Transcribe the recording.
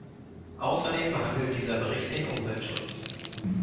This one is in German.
Außerdem behandelt dieser Bericht den Umweltschutz.